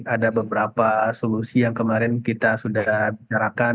ada beberapa solusi yang kemarin kita sudah bicarakan